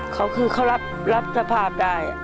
แล้วก็คือเขารับสภาพได้